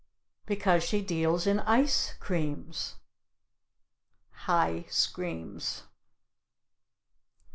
Because she deals in ice creams (high screams).